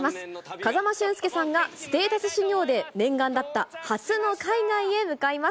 風間俊介さんがステータス修行で念願だった初の海外へ向かいます。